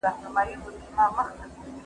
د معلوماتو شریکول څنګه اسانه کیږي؟